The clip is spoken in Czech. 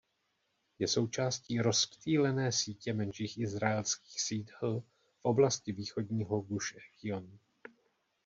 Je součástí rozptýlené sítě menších izraelských sídel v oblasti východního Guš Ecion.